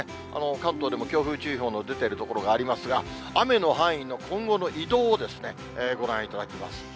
関東でも強風注意報の出ている所がありますが、雨の範囲の今後の移動をですね、ご覧いただきます。